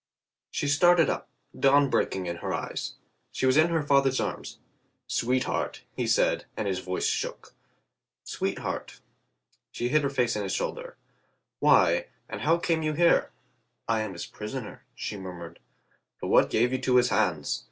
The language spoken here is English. She started up, dawn breaking in her eyes. She was in her father's arms. "Sweet heart," he said, and his voice shook. "Sweet heart" She hid her face in his shoulder. "Why, and how came you here?" "I am his prisoner," she murmured. "But what gave you to his hands?